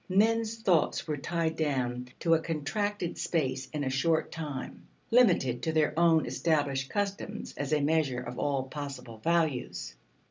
Men's thoughts were tied down to a contracted space and a short time, limited to their own established customs as a measure of all possible values.